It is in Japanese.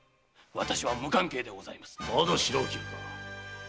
まだシラを切るか！